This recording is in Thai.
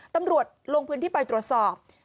ตำรวจลงพื้นที่ไปตรวจสอบ